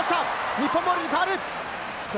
日本ボールに変わる。